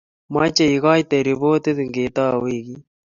Meche igoite ripotit ngetau weekit---